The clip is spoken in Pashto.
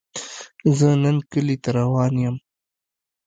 زۀ نن کلي ته روان يم